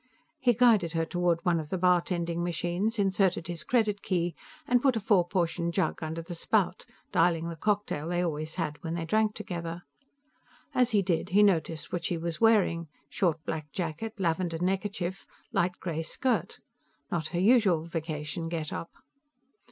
He guided her toward one of the bartending machines, inserted his credit key, and put a four portion jug under the spout, dialing the cocktail they always had when they drank together. As he did, he noticed what she was wearing: short black jacket, lavender neckerchief, light gray skirt. Not her usual vacation get up.